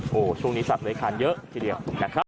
โอ้โหช่วงนี้สัตว์เลยคานเยอะทีเดียวนะครับ